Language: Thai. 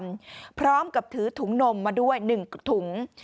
บรรษฐรรมพร้อมกับถือถุงนมมาด้วย๑ถุง